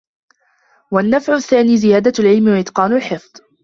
وَالنَّفْعُ الثَّانِي زِيَادَةُ الْعِلْمِ وَإِتْقَانُ الْحِفْظِ